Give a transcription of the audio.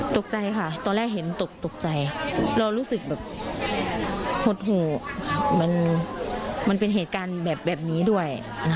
ตกใจค่ะตอนแรกเห็นตกตกใจเรารู้สึกแบบหดหูมันเป็นเหตุการณ์แบบนี้ด้วย